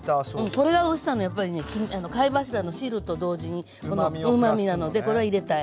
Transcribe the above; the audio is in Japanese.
これはオイスターのやっぱりね貝柱の汁と同時にうまみなのでこれは入れたい。